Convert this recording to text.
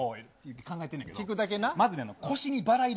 考えてんやけど。